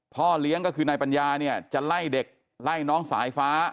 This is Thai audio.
พอเลี้ยงก็คือในปัญญาจะไล่เด็กไล่น้องสายฟ้า